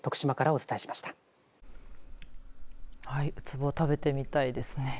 ウツボ、食べてみたいですね。